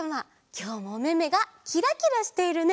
きょうもおめめがキラキラしているね！